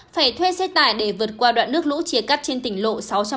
phải thuê xe tải để vượt qua đoạn nước lũ chia cắt trên tỉnh lộ sáu trăm sáu mươi